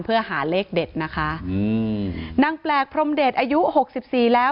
เพื่อหาเลขเด็ดนะคะนางแปรกพรมเด็ดอายุ๖๔แล้ว